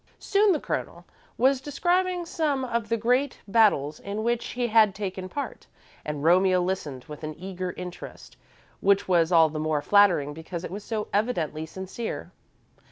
Soon the Colonel was describing some of the great battles in which he had taken part, and Romeo listened with an eager interest which was all the more flattering because it was so evidently sincere.